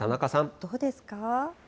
どうですか。